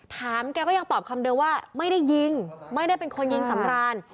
แถมแกก็ยังตอบคำเดิมว่าไม่ได้ยิงไม่ได้เป็นคนยิงสำราน